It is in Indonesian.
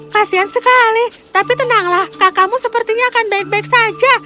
kasian sekali tapi tenanglah kakakmu sepertinya akan baik baik saja